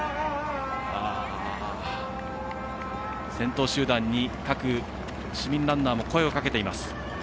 先頭集団に各市民ランナーも声をかけています。